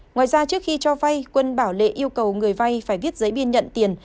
ngoài ra trước khi cho vay quân bảo lệ yêu cầu người vay phải viết giấy biên nhận tiền